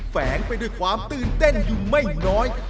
แฝงไปด้วยความตื่นเต้นอยู่ไม่น้อย